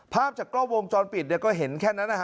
ภาพจากกล้องวงจรปิดก็เห็นแค่นั้นนะฮะ